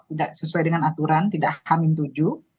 tidak sesuai dengan aturan tidak hamin tuju